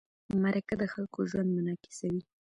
مرکه د خلکو ژوند منعکسوي.